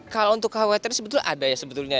kalau untuk khawatir sebetulnya ada ya